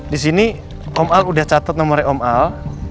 di sini om al udah catat nomornya om al